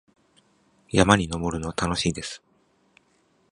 山に登るのは楽しいです。